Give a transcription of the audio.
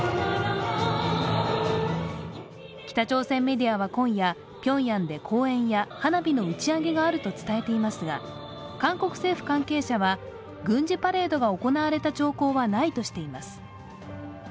北朝鮮メディアは今夜、ピョンヤンで公演や花火の打ち上げがあると伝えていますが韓国政府関係者は軍事パレードが行われた兆候はないとしています。